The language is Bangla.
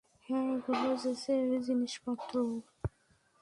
হ্যাঁ এগুলো জেসের জিনিসপত্র।